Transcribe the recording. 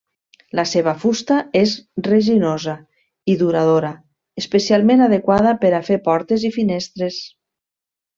La seva fusta és resinosa i duradora especialment adequada per a fer portes i finestres.